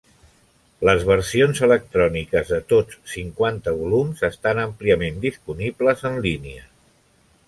Les versions electròniques de tots cinquanta volums estan àmpliament disponibles en línia.